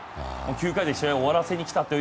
９回で試合を終わらせに来たと。